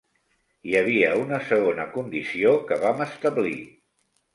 Hi havia una segona condició que vam establir.